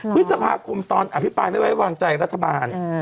พฤษภาคมตอนอภิปัยไว้วางจ่ายรัฐบาล